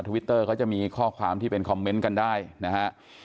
วิตเตอร์ก็จะมีข้อความที่เป็นคอมเมนต์กันได้นะฮะ